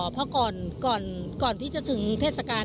เพราะก่อนที่จะถึงเทศกาล